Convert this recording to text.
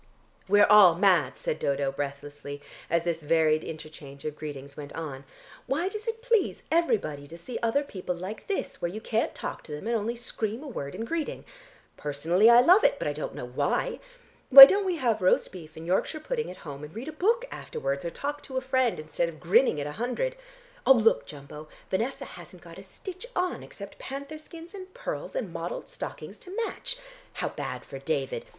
"We're all mad," said Dodo breathlessly as this varied interchange of greetings went on. "Why does it please everybody to see other people like this, where you can't talk to them, and only scream a word in greeting? Personally I love it, but I don't know why. Why don't we have roast beef and Yorkshire pudding at home, and read a book afterwards or talk to a friend instead of grinning at a hundred? Oh, look, Jumbo! Vanessa hasn't got a stitch on except panther skins and pearls and mottled stockings to match. How bad for David.